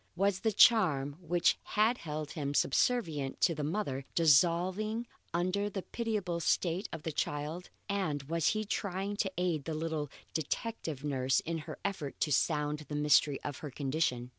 Was the charm which had held him subservient to the mother, dissolving under the pitiable state of the child, and was he trying to aid the little detective nurse in her effort to sound the mystery of her condition?